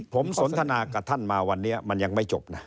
ผมสนทนากับท่านมาวันนี้มันยังไม่จบนะ